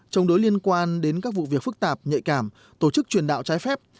chống đối liên quan đến các vụ việc phức tạp nhạy cảm tổ chức truyền đạo trái phép